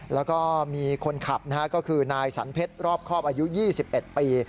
แล้วก็มีคนขับนะฮะก็คือนายสันเพชรรอบครอบอายุ๒๑ปี